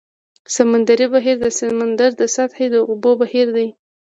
سمندري بهیر د سمندر د سطحې د اوبو بهیر دی.